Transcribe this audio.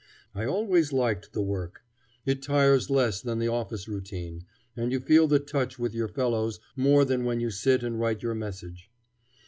I always liked the work. It tires less than the office routine, and you feel the touch with your fellows more than when you sit and write your message.